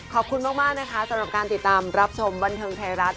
ขอบคุณมากนะคะสำหรับการติดตามรับชมบันเทิงไทยรัฐ